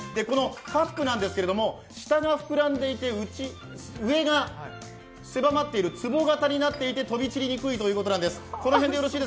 カップなんですけれども、下が膨らんでいて上が狭まっている坪形になっていて飛び散りにくいということなんです。